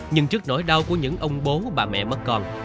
nhưng trước nỗi đau của những ông bố bà mẹ mất con